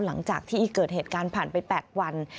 หลังจากที่เกิดเหตุการณ์ผ่านไป๘วัน